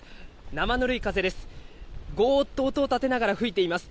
生ぬるい風です。